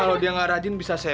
kalau dia nggak rajin bisa sehat